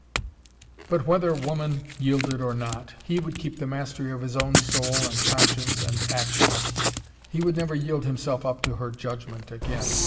But whether woman yielded or not, he would keep the mastery of his own soul and conscience and actions. He would never yield himself up to her judgment again.